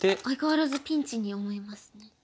相変わらずピンチに思いますね。